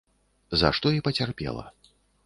За што і пацярпела.